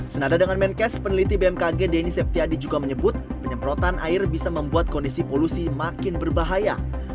senada dengan menkes peneliti bmkg denny septiadi juga menyebut penyemprotan air bisa membuat kondisi polusi makin berbahaya